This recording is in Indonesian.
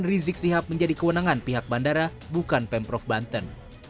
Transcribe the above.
rizik sihab menjadi kewenangan pihak bandara bukan pemprov banten